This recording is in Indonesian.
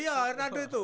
iya hernando itu